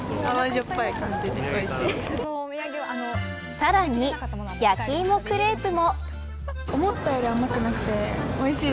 さらにやきいもクレープも。